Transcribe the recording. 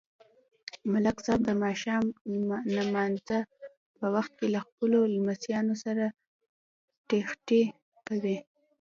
ملک صاحب د ماښام نمانځه په وخت له خپلو لمسیانو سره ټخټخی کوي.